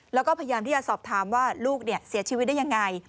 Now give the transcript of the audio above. แล้วก็พยายามที่จะสอบถามว่าลูกเสียชีวิตได้ยังไง